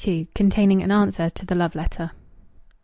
Containing an Answer to the Love Letter.